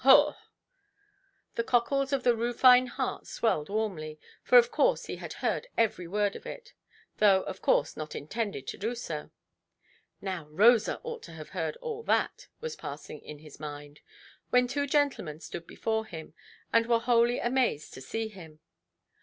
Haw"! The cockles of the Rufine heart swelled warmly; for of course he heard every word of it, though, of course, not intended to do so. "Now Rosa ought to have heard all that", was passing in his mind, when two gentlemen stood before him, and were wholly amazed to see him.